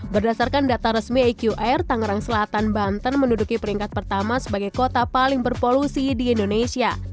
berdasarkan data resmi eqr tangerang selatan banten menduduki peringkat pertama sebagai kota paling berpolusi di indonesia